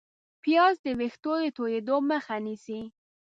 پیاز د ویښتو د تویېدو مخه نیسي